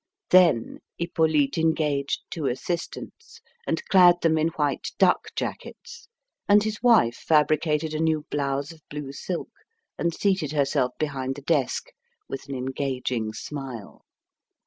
Then Hippolyte engaged two assistants, and clad them in white duck jackets, and his wife fabricated a new blouse of blue silk, and seated herself behind the desk with an engaging smile.